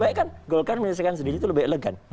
karena kan golkar menyelesaikan sendiri itu lebih elegan